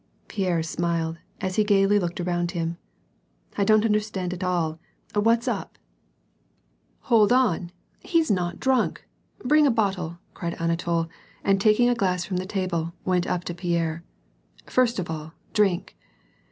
Pierre smiled, as he gayly looked around him. '^ I don't understand at all. What's up ?" WAR AND PEACE. 35 '' Hold on ! He's not dnink. Bring a bottle/' cried Ana tol, and taking a glass from the table, went up to Pierre, —« First of all, drink."